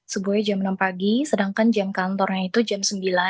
sebuahnya jam enam pagi sedangkan jam kantornya itu jam sembilan